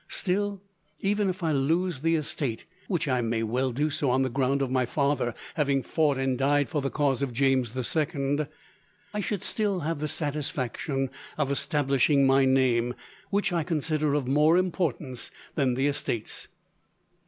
Still, even if I lose the estate, which I may well do on the ground of my father having fought and died for the cause of James the Second, I should still have the satisfaction of establishing my name, which I consider of more importance than the estates."